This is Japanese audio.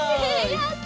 やった！